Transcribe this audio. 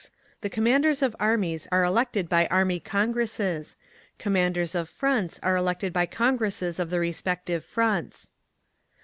The commanders of Armies are elected by Army congresses. Commanders of Fronts are elected by congresses of the respective Fronts.